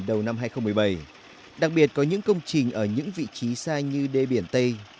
đầu năm hai nghìn một mươi bảy đặc biệt có những công trình ở những vị trí xa như đê biển tây